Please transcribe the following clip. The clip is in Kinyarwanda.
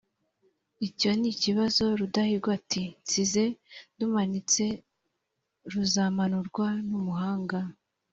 icyo ni ikibazo! rudahigwa ati "nsize ndumanitse ruzamanurwa n'umuhanga."